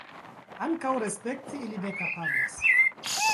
Ankaŭ respekti ili ne kapablas.